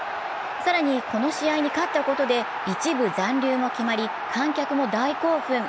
更に、この試合に勝ったことで１部残留も決まり、観客も大興奮。